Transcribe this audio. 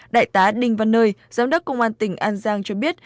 đại tá đinh văn nơi giám đốc công an tỉnh an giang cho biết